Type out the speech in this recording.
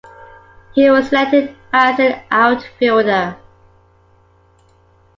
He was selected as an outfielder.